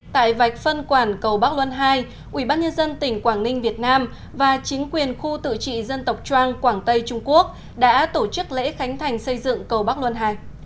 tại vạch phân quản cầu bắc luân ii ubnd tỉnh quảng ninh việt nam và chính quyền khu tự trị dân tộc trang quảng tây trung quốc đã tổ chức lễ khánh thành xây dựng cầu bắc luân ii